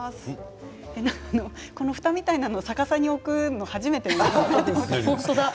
このふたみたいなのを逆さに置くの初めて見た。